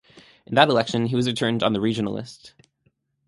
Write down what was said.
In that election, he was returned on the regional list.